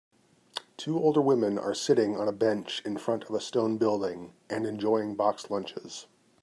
Two older women are sitting on a bench in front of a stone building and enjoying box lunches